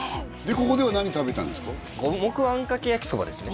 ここでは何食べたんですか？